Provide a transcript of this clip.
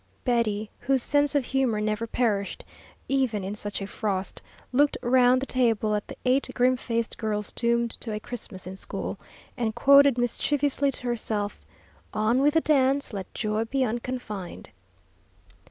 Betty, whose sense of humour never perished, even in such a frost, looked round the table at the eight grim faced girls doomed to a Christmas in school, and quoted mischievously to herself: "On with the dance, let joy be unconfined."